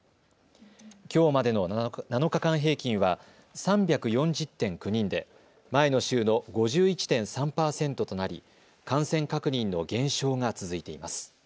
きょうまでの７日間平均は３４０．９人で前の週の５１．３％となり感染確認の減少が続いています。